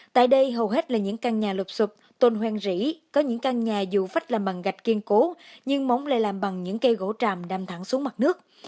tại đây hầu hết là những căn nhà lột sụp tôn hoen rỉ có những căn nhà dụ phách làm bằng gạch kiên cố nhưng mống lại làm bằng những cây gỗ tràm đam thẳng xuống mặt nước